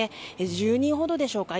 １０人ほどでしょうか。